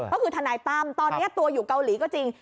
ก็คือทนายตั้มตอนนี้ตัวอยู่เกาหลีก็จริง